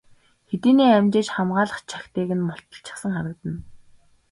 Хэдийнээ амжиж хамгаалах чагтыг нь мулталчихсан харагдана.